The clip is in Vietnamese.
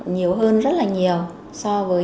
nhiều hơn rất là nhiều so với